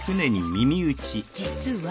実は。